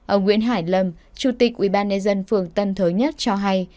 ông nguyễn hải lâm chủ tịch ubnd phường tân thới nhất cho hay